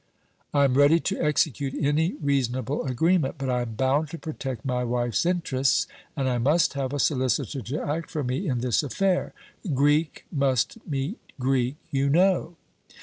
"I am ready to execute any reasonable agreement; but I am bound to protect my wife's interests, and I must have a solicitor to act for me in this affair. Greek must meet Greek, you know."